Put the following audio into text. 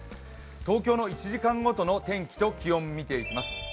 東京の１時間ごとの天気と気温見ていきます。